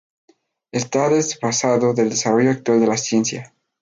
Está desfasado del desarrollo actual de la ciencia.